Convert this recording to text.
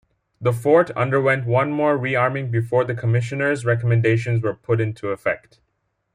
The fort underwent one more rearming before the Commissioners' recommendations were put into effect.